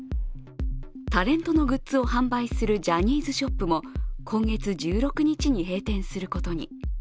タレントのグッズを販売するジャニーズショップも今月１６日に閉店することに。